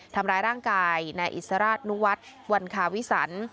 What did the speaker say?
ทำร้ายร่างกายนายอิสราชนุวัฒน์วันคาวิสัน